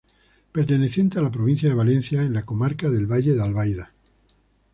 Perteneciente a la provincia de Valencia, en la comarca del Valle de Albaida.